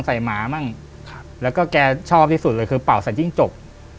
หมามั่งแล้วก็แกชอบที่สุดเลยคือเป่าใส่จิ้งจก